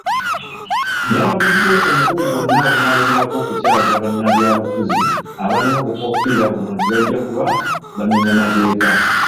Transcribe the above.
Yalabudde omukutu gwonna ogunaalemerako okukyaza bannabyabufuzi abalina obukoofiira buno nti bajja kuba bamenya mateeka.